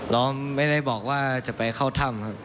น้องไม่ได้บอกว่าจะไปเข้าถ้ำครับ